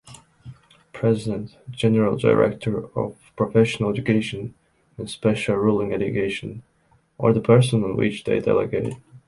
President: general director of Professional Education and Special Ruling Education, or the person on which they delegate.